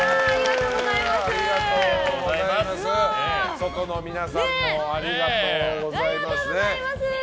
外の皆さんもありがとうございます。